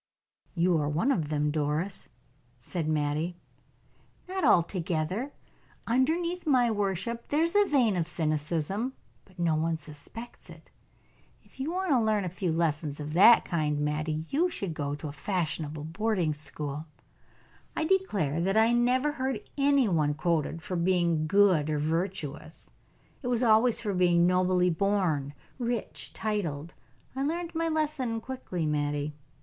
"You are one of them, Doris," said Mattie. "Not altogether. Underneath my worship there is a vein of cynicism, but no one suspects it. If you want to learn a few lessons of that kind, Mattie, you should go to a fashionable boarding school. I declare that I never heard any one quoted for being good or virtuous; it was always for being nobly born, rich, titled. I learned my lesson quickly, Mattie."